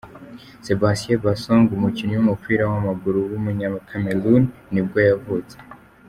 Sébastien Bassong, umukinnyi w’umupira w’amaguru w’umunyakameruni nibwo yavutse.